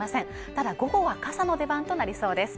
ただ午後は傘の出番となりそうです